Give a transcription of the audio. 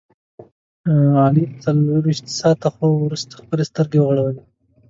علي له څلوریشت ساعته خوب ورسته خپلې سترګې وغړولې.